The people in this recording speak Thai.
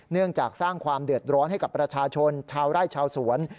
เนื่องจากสร้างความเดือดร้อนให้กับประชาชนชาวไร่ชาวสวน